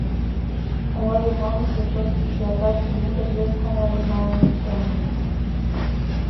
Коҥла йымалныже тошто шляпа-цилиндр, вес коҥла йымалне кем ыле.